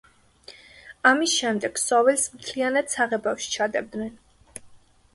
ამის შემდეგ ქსოვილს მთლიანად საღებავში ჩადებდნენ.